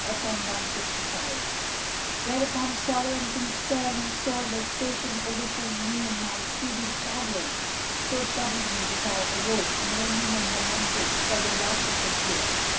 [FN#155] Whereupon sorrow and concern and sore vexation overcame me and my exceeding chagrin so troubled me that I awoke, mourning and lamenting for the loss of the jewel.